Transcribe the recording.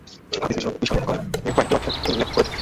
হাদীস বিশারদগণ এর কয়েকটি অর্থের উল্লেখ করেছেন।